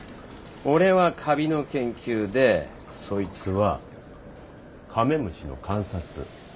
俺はカビの研究でそいつはカメムシの観察。